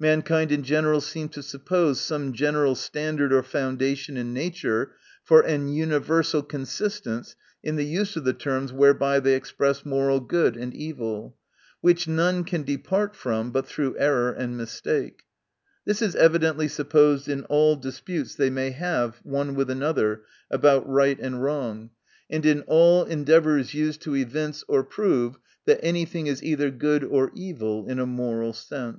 Mankind in general seem to suppose some general standard or foundation in nature for a universal consistence in the use of the terms whereby they ex press moral good and evil ; which none can depart from but through error and mistake. This is evidently supposed in all disputes they may have one with another, about right and wrong ; and in all endeavors used to evince or prove that any thing is either good or evil, in a moral sense.